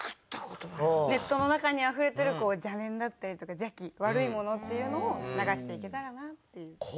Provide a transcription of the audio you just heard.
ネットの中にあふれてる邪念だったりとか邪気悪いものっていうのを流していけたらなっていう。